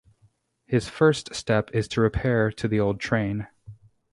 His first step is to repair to the old trail.